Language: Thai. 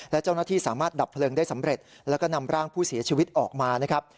และเจ้าหน้าที่สามารถดับเพลิงได้สำเร็จแล้วก็นำร่างผู้เสียชีวิตออกมานะครับ